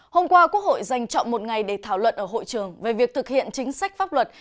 hôm qua quốc hội dành chọn một ngày để thảo luận ở hội trường về việc thực hiện chính sách pháp luật